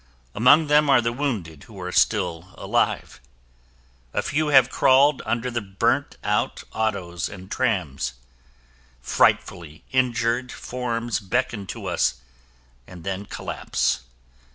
Among them are the wounded who are still alive. A few have crawled under the burnt out autos and trams. Frightfully injured forms beckon to us and then collapse.